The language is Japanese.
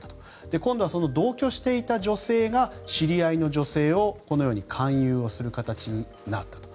今度はその同居していた女性が知り合いの女性をこのように勧誘をする形になったと。